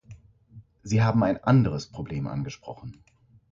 Sie haben ein anderes Problem angesprochen.